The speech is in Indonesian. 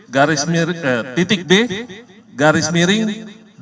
garis miring titik b garis miring titik d